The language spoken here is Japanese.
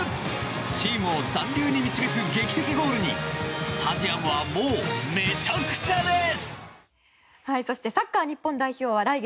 チームを残留に導く劇的ゴールにスタジアムはもうめちゃくちゃです！